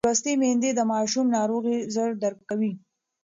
لوستې میندې د ماشوم ناروغۍ ژر درک کوي.